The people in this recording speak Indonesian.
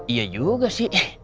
iya juga sih